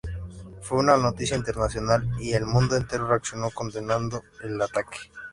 Fue una noticia internacional y el mundo entero reaccionó condenando el ataque.